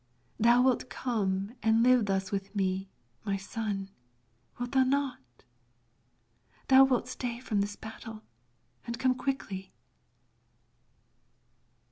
Thou wilt come and thus live with me, my son, wilt thou not? Thou wilt stay from this battle and come quickly?